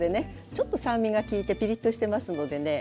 ちょっと酸味が利いてピリッとしてますのでね